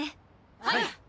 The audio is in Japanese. はい！